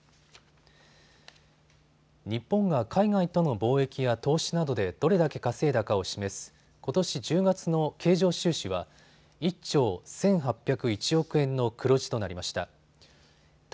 日本が海外との貿易や投資などでどれだけ稼いだかを示すことし１０月の経常収支は１兆１８０１億円の黒字となりました。